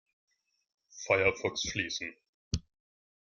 Firefox schließen.